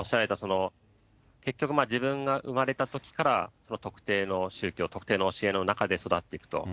今おっしゃられた、結局、自分が生まれたときから特定の宗教、特定の教えの中で育っていくと。